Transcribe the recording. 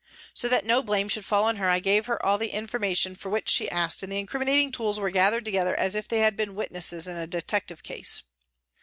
So that no blame should fall on her, I gave her all the informa tion for which she asked and the incriminating tools were gathered together as if they had been witnesses in a detective case.